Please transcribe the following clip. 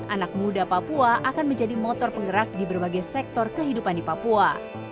anak muda papua akan menjadi motor penggerak di berbagai sektor kehidupan di papua